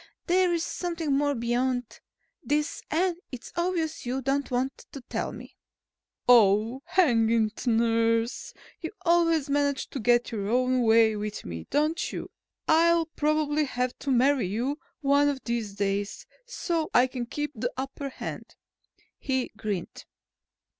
There is something more behind this and it's obvious you don't want to tell me." "Oh, hang it, nurse! You always manage to get your own way with me, don't you? I'll probably have to marry you one of these days, so I can keep the upper hand," he grinned.